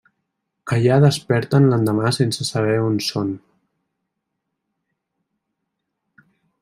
Allà desperten l'endemà sense saber on són.